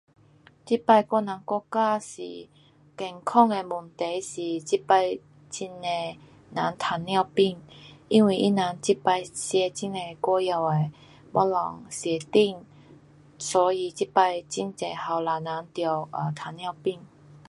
这次我人国家是健康的问题是，这次很多人糖尿病，因为他人这次吃很多外面的东西，吃甜，所以这次很多年轻人得 um 糖尿病。